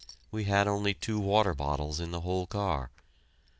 We had only two water bottles in the whole car.